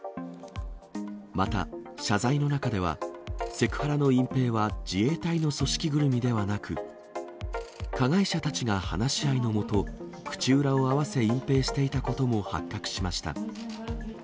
また、謝罪の中では、セクハラの隠蔽は自衛隊の組織ぐるみではなく、加害者たちが話し合いの下、口裏を合わせ隠蔽していたことも発覚しました。